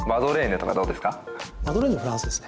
マドレーヌ、フランスですね。